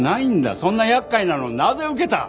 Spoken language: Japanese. そんな厄介なのをなぜ受けた！？